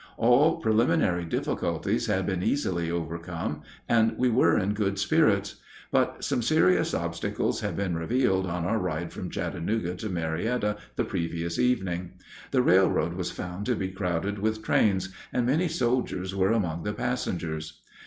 All preliminary difficulties had been easily overcome, and we were in good spirits. But some serious obstacles had been revealed on our ride from Chattanooga to Marietta the previous evening. The railroad was found to be crowded with trains, and many soldiers were among the passengers.